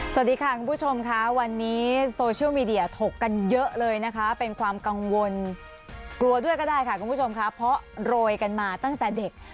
สวัสดีค่ะคุณผู้ชมค่ะวันนี้โซเชียลมีเดียถกกันเยอะเลยนะคะเป็นความกังวลกลัวด้วยก็ได้ค่ะคุณผู้ชมค่ะเพราะโรยกันมาตั้งแต่เด็ก